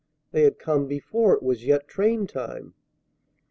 They had come before it was yet train time!